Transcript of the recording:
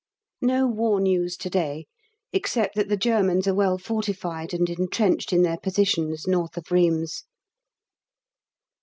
No war news to day, except that the Germans are well fortified and entrenched in their positions N. of Rheims.